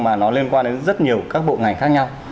mà nó liên quan đến rất nhiều các bộ ngành khác nhau